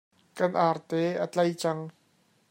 Kan arte an tlei cang.